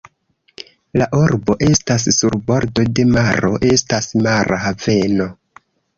La urbo estas sur bordo de maro, estas mara haveno.